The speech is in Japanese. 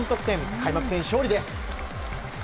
開幕戦、勝利です。